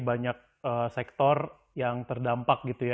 banyak sektor yang terdampak gitu ya